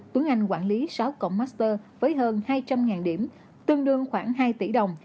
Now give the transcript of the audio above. tuấn anh quản lý sáu cổng master với hơn hai trăm linh điểm tương đương khoảng hai tỷ đồng